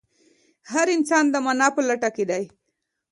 هر انسان د مانا په لټه کې دی.